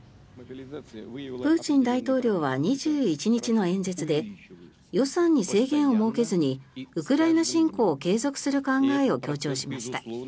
プーチン大統領は２１日の演説で予算に制限を設けずにウクライナ侵攻を継続する考えを強調しました。